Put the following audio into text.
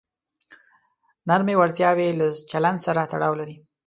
نرمې وړتیاوې له چلند سره تړاو لري.